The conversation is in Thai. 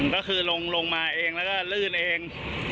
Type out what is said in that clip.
ก็คือลงมาเองแล้วก็ลื่นเอง